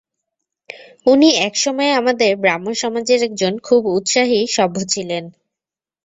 উনি এক সময়ে আমাদের ব্রাহ্মসমাজের একজন খুব উৎসাহী সভ্য ছিলেন।